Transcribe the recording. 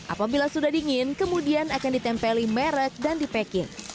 apabila sudah dingin kemudian akan ditempeli merek dan dipekin